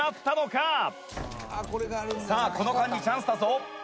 「さあ、この間にチャンスだぞ」